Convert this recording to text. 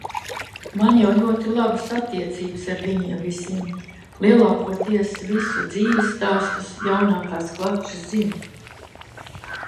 Man jau ļoti labas attiecības ar viņiem visiem. Lielākoties visu dzīvesstāstus, jaunākās klačas zinu.